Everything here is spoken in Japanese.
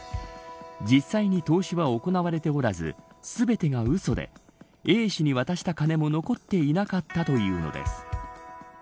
実際に投資は行われておらず全てがうそで、Ａ氏に渡した金も残っていなかったというのです。